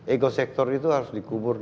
ego sektor itu harus dikubur